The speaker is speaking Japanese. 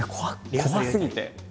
怖すぎて。